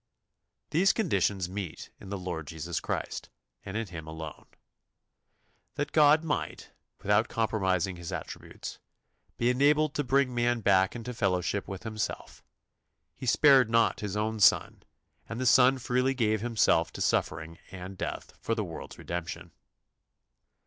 These conditions meet in the Lord Jesus Christ and in Him alone. That God might, without compromising His attributes, be enabled to bring man back into fellowship with Himself, He spared not His own Son, and the Son freely gave Himself to suffering and death for the world's redemption.